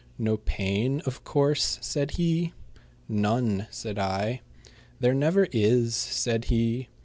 "No pain, of course?" said he. "None," said I. "There never is," said he.